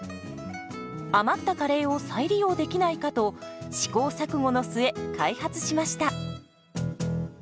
余ったカレーを再利用できないかと試行錯誤の末開発しました。